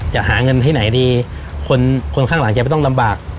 จะหาเงินที่ไหนดีคนคนข้างหลังแกไม่ต้องลำบาก